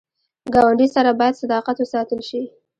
ګاونډي سره باید صداقت وساتل شي